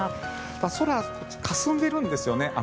空、かすんでいるんですよね。